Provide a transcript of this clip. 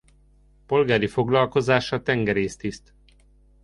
Polgári foglalkozása tengerésztiszt.